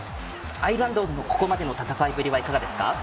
アイルランドのここまでの戦いぶりはいかがですか？